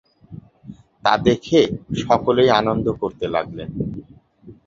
তা দেখে সকলেই আনন্দ করতে লাগলেন।